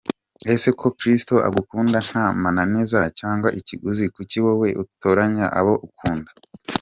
Ese ko Kristo agukunda nta mananiza cyangwa ikiguzi kuki wowe utoranya abo ukunda?.